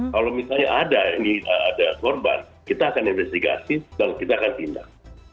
kalau misalnya ada ini ada korban kita akan investigasi dan kita akan tindak